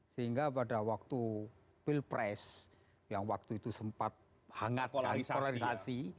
sehingga pada waktu pilpres yang waktu itu sempat hangat kalisasi